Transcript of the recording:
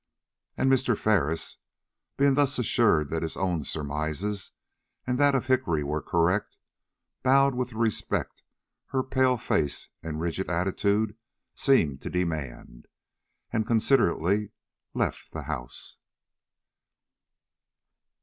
And Mr. Ferris, being thus assured that his own surmises and that of Hickory were correct, bowed with the respect her pale face and rigid attitude seemed to demand, and considerately left the house.